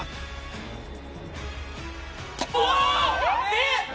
えっ！？